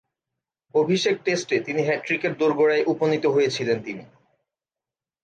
অভিষেক টেস্টে তিনি হ্যাট্রিকের দোরগোড়ায় উপনীত হয়েছিলেন তিনি।